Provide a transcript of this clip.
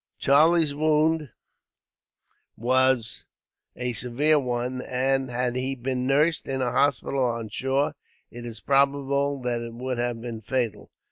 Charlie's wound was a severe one and, had he been nursed in a hospital on shore, it is probable that it would have been fatal.